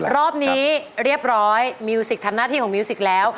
รอบนี้เรียบร้อยมิวสิกทำหน้าที่ของมิวสิกแล้ว